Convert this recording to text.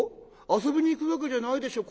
遊びに行くわけじゃないでしょ？